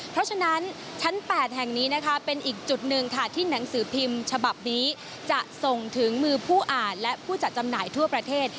เพราะฉะนั้นชั้น๘แห่งนี้นะคะเป็นอีกจุดหนึ่งค่ะที่หนังสือพิมพ์ฉบับนี้จะส่งถึงมือผู้อ่านและผู้จัดจำหน่ายทั่วประเทศ